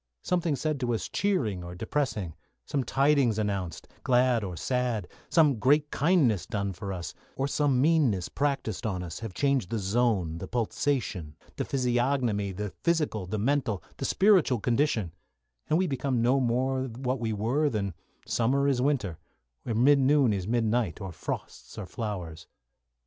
Something said to us cheering or depressing; some tidings announced, glad or sad; some great kindness done for us, or some meanness practised on us have changed the zone, the pulsation, the physiognomy, the physical, the mental, the spiritual condition, and we become no more what we were than summer is winter, or midnoon is midnight, or frosts are flowers.